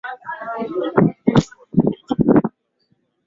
hawaangali kama nchi yao ni nchi yenye wao watakuwa